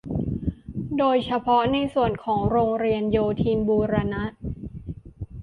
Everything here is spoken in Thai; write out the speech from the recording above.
โดยเฉพาะในส่วนของโรงเรียนโยธินบูรณะ